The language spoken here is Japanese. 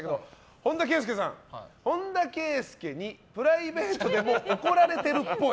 本田圭佑にプライベートでも怒られてるっぽい。